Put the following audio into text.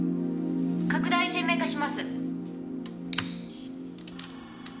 拡大鮮明化します。